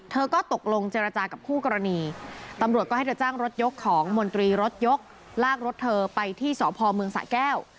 เธอก็ตกลงเจรจากับคู่กรณีตำรวจก็ให้เธอจ้างรถยกของมนตรีรถยกลากรถเธอไปที่สพเมืองสะแก้ว